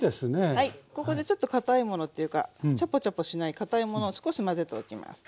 はいここでちょっとかたいものっていうかチャポチャポしないかたいものを少し混ぜておきます。